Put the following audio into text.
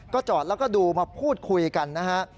จอดแล้วก็ดูมาพูดคุยกันนะฮะ